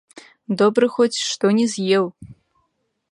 Добра хоць што не з'еў!